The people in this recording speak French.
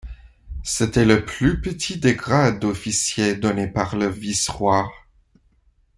C'était le plus petit des grades d'officier donnés par le Vice Roi.